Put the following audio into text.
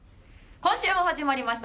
今週も始まりました